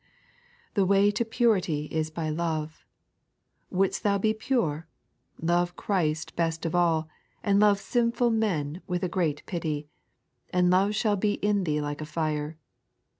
The way to purity is by Love. Wonldst thou be pure, love Christ best of all, and love sinful men with a great pity ; and love shall be in thee Hke a fire.